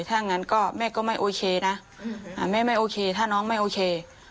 ถ้างั้นก็แม่ก็ไม่โอเคนะแม่ไม่โอเคถ้าน้องไม่โอเค